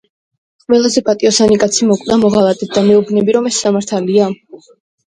ყველაზე პატიოსანი კაცი მოკვდა მოღალატედ და მეუბნები რომ ეს სამართალია?